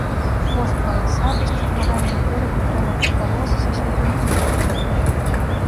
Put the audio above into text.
Хвост паласаты з чаргаваннем бурых і крэмавых палос і са светлым канчаткам.